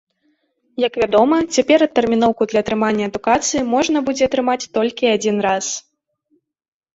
Як вядома, цяпер адтэрміноўку для атрымання адукацыі можна будзе атрымаць толькі адзін раз.